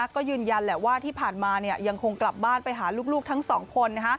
ก็ยืนยันแหละว่าที่ผ่านมายังคงกลับบ้านไปหาลูกทั้งสองคน